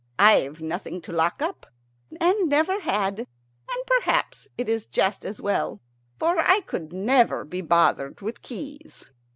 I've nothing to lock up, and never had, and perhaps it is just as well, for I could never be bothered with keys.